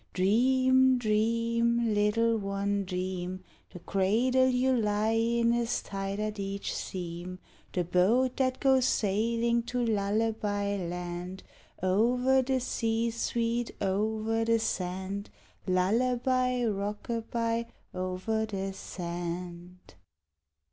Dream, dream, little one, dream; The cradle you lie in is tight at each seam, The boat that goes sailing to Lullaby Land. Over the sea, sweet, over the sand, Lullaby, rockaby, over the sand.